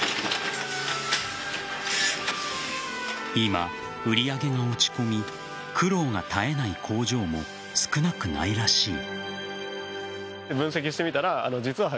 今、売り上げが落ち込み苦労が絶えない工場も少なくないらしい。